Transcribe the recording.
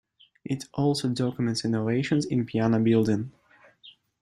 It also documents innovations in piano building.